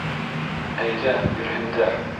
Әйҙә, бирһендәр.